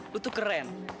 lo tuh keren